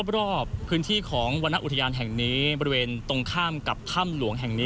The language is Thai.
รอบพื้นที่ของวรรณอุทยานแห่งนี้บริเวณตรงข้ามกับถ้ำหลวงแห่งนี้